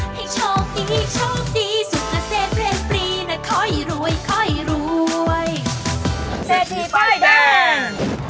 ให้โชคดีโชคดีสุดนะเศษเพลงปรีนาขอยรวยขอยรวยเศษหีป้ายแดง